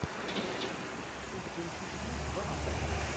Eǧǧ amcic-nni deg berra.